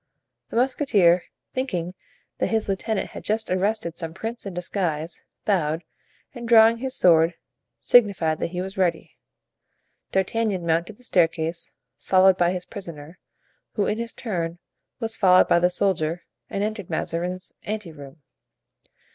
The musketeer, thinking that his lieutenant had just arrested some prince in disguise, bowed, and drawing his sword, signified that he was ready. D'Artagnan mounted the staircase, followed by his prisoner, who in his turn was followed by the soldier, and entered Mazarin's ante room.